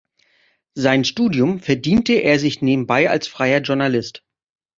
Sein Studium verdiente er sich nebenbei als freier Journalist.